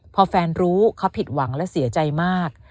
พอแฟนรู้เขาผิดหวังและเสียใจมาก